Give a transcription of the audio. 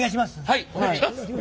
はいお願いします！